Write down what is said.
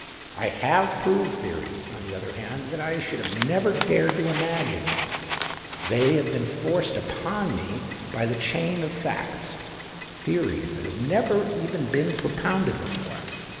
I have proved theories, on the other hand, that I should have never dared to imagine — they have been forced upon me by the chain of facts — theories that have never even been propounded before.